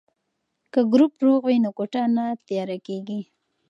که ګروپ روغ وي نو کوټه نه تیاره کیږي.